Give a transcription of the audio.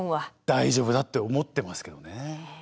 大丈夫だって思ってますけどね。